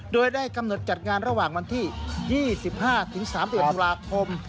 โดยได้กำหนดจัดงานระหว่างวันที่๒๕๓๑ตุลาคม